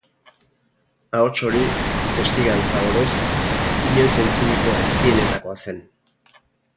Ahots hori, testigantza oroz, inoiz entzuniko eztienetakoa zen.